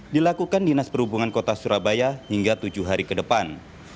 dilakukan dinas perhubungan kota surabaya hingga tujuh hari ke depan